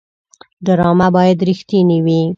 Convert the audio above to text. ډرامه باید رښتینې وي